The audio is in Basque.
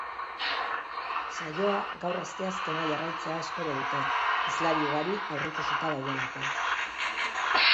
Saioa gaur asteazkena jarraitzea espero dute, hizlari ugari aurrikusita daudelako.